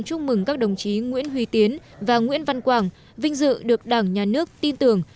chúc mừng các đồng chí nguyễn huy tiến và nguyễn văn quảng vinh dự được đảng nhà nước tin tưởng